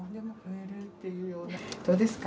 どうですか？